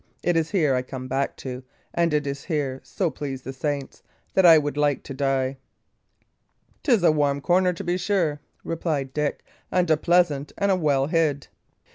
It's here I come back to, and it's here, so please the saints, that I would like to die." "'Tis a warm corner, to be sure," replied Dick, "and a pleasant, and a well hid."